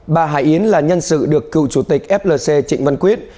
bà hải yến là nhân sự được cựu chủ tịch flc trịnh văn quyết